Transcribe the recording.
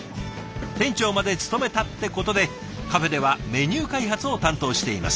店長まで務めたってことでカフェではメニュー開発を担当しています。